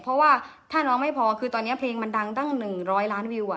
เพราะว่าถ้าน้องไม่พอคือตอนเนี้ยเพลงมันดังตั้งหนึ่งร้อยล้านวิวอะ